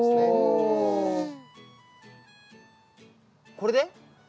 これで？